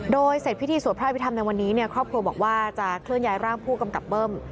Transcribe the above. โดยเสร็จพิธีสวดพระอภิษฐรรมในวันนี้ครอบครัวบอกว่าจะเคลื่อนย้ายร่างผู้กำกับเบิ้ม